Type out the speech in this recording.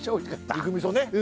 肉みそね。